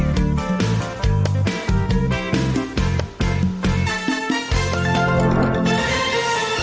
โปรดติดตามตอนต่อไป